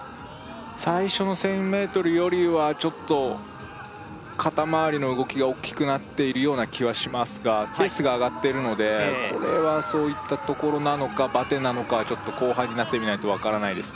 最初の１０００ｍよりはちょっと肩まわりの動きが大きくなっているような気はしますがペースが上がってるのでこれはそういったところなのかバテなのかはちょっと後半になってみないと分からないです